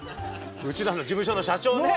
うちらの事務所の社長ね。